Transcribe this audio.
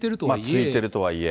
続いてるとはいえ。